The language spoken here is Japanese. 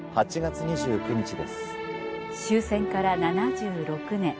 終戦から７６年。